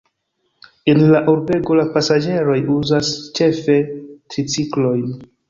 En la urbego la pasaĝeroj uzas ĉefe triciklojn.